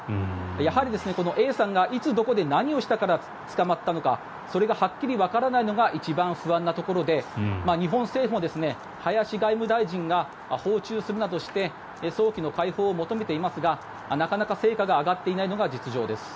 やはり、Ａさんがいつ、どこで何をしたから捕まったのかそれがはっきりわからないのが一番不安なところで日本政府も林外務大臣が訪中するなどして早期の解放を求めていますがなかなか成果が上がっていないのが実情です。